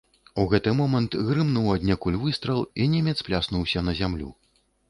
У гэты момант грымнуў аднекуль выстрал, і немец пляснуўся на зямлю.